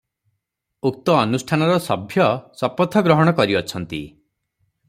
ଉକ୍ତ ଅନୁଷ୍ଠାନର ସଭ୍ୟ ଶପଥ ଗ୍ରହଣ କରିଅଛନ୍ତି ।